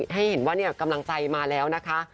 ให้เห็นว่ากำลังใจมาแล้วนะคะ